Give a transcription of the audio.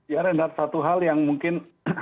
ya reinhardt satu hal yang mungkin